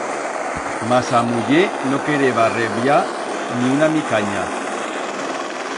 Mas a muller no quereba reblar ni una micanya.